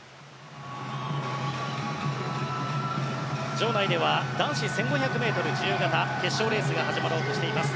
場内では男子１５００ｍ自由形決勝のレースが始まろうとしています。